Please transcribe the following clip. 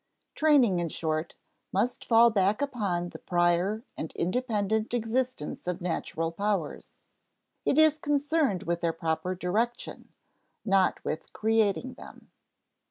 Training, in short, must fall back upon the prior and independent existence of natural powers; it is concerned with their proper direction, not with creating them.